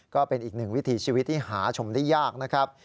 ก็เป็นอีกหนึ่งวิถีชีวิตที่หาชมได้ยากนะครับ